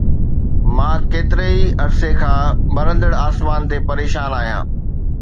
مان ڪيتري ئي عرصي کان ٻرندڙ آسمان تي پريشان آهيان